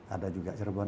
ada juga cerebon